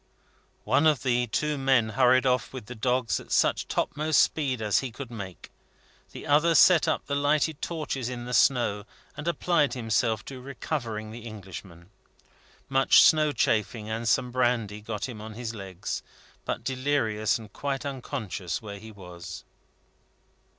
One of the two men hurried off with the dogs at such topmost speed as he could make; the other set up the lighted torches in the snow, and applied himself to recovering the Englishman. Much snow chafing and some brandy got him on his legs, but delirious and quite unconscious where he was.